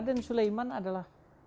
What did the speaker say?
raden suleiman adalah